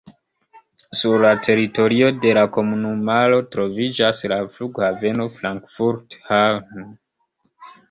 Sur la teritorio de la komunumaro troviĝas la flughaveno Frankfurt-Hahn.